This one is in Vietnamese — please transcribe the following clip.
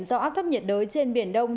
do áp thấp nhiệt đới trên biển đông